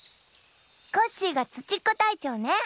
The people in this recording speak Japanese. コッシーが「ツチッコたいちょう」ね。